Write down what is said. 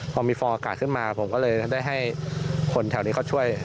พอมีฟอร์อากาศขึ้นมาผมก็เลยได้ให้คนแถวนี้เขาช่วย